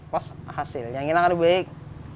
lagi hasilnya tidak baik